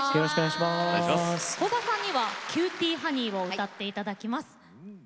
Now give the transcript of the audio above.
倖田さんには「キューティーハニー」を歌っていただきます。